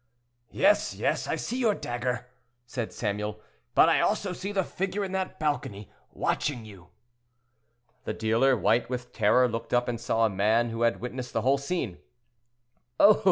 "Yes, yes, I see your dagger," said Samuel; "but I also see the figure in that balcony, watching you." The dealer, white with terror, looked up, and saw a man who had witnessed the whole scene. "Oh!"